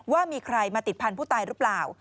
ว่ามีใครมาติดพันธุ์ผู้ตายหรือเปล่า